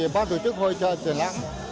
ban tổ chức hội trợ tiền lãng